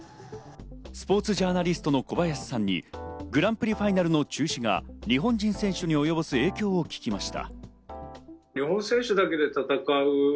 スポーツジャーナリストの小林さんにグランプリファイナルの中止が日本人選手に及ぼす影響を聞きなおしました。